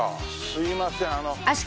すいませんあの。